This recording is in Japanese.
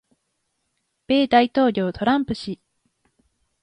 米大統領トランプ氏